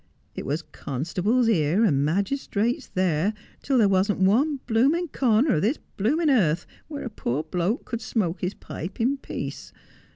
' It was constables here and magistrates there, till there wasn't one blooming corner of this blooming earth where a poor bloke could smoke his pipe in peace.